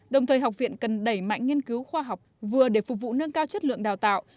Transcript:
đồng thời học viện cần đẩy mạnh nghiên cứu khoa học vừa để phục vụ nâng cao chất lượng đào tạo